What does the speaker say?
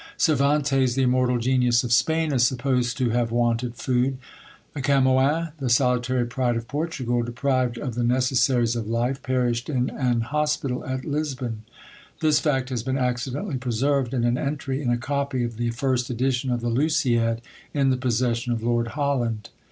Cervantes, the immortal genius of Spain, is supposed to have wanted food; Camöens, the solitary pride of Portugal, deprived of the necessaries of life, perished in an hospital at Lisbon. This fact has been accidentally preserved in an entry in a copy of the first edition of the Lusiad, in the possession of Lord Holland.